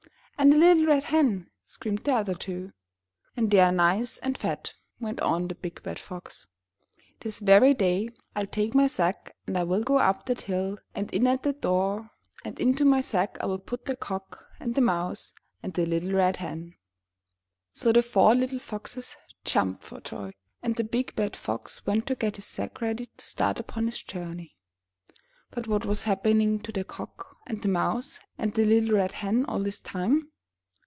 "And a little Red Hen/' screamed the other two. "And they are nice and fat/' went on the big bad Fox. "This very day Til take my sack, and I will go up that hill and in at that door, and into my sack I will put the Cock, and the Mouse, and the little Red Hen." So the four little foxes jumped for joy, and the big bad Fox went to get his sack ready to start upon his journey. But what was happening to the Cock, and the Mouse, and the little Red Hen, all this time?